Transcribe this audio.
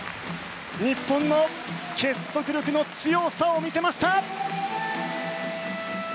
日本の結束力の強さを見せました！